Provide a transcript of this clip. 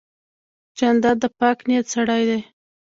جانداد د پاک نیت سړی دی.